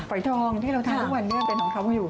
ปลอยทองที่เราทานทุกวันเป็นของเขามาอยู่